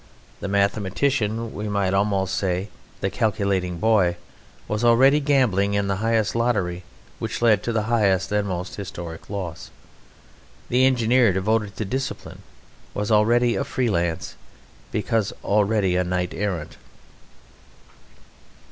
The mathematician, we might almost say the calculating boy, was already gambling in the highest lottery which led to the highest and most historic loss. The engineer devoted to discipline was already a free lance, because already a knight errant.